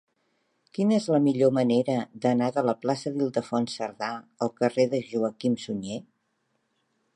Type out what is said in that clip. Quina és la millor manera d'anar de la plaça d'Ildefons Cerdà al carrer de Joaquim Sunyer?